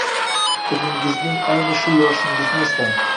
O‘zingizning ayni shu yoshingizni eslang.